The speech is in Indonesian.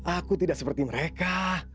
aku tidak seperti mereka